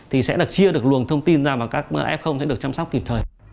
thì sẽ chia được luồng thông tin ra và các f sẽ được chăm sóc kịp thời